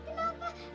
pak ustadz bangun